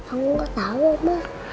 aku gak tau om